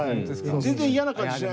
全然嫌な感じしない。